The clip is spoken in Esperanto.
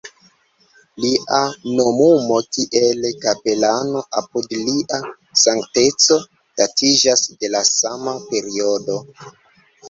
Lia nomumo kiel kapelano apud Lia Sankteco datiĝas de la sama periodo.